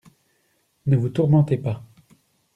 Ne vous tourmentez pas.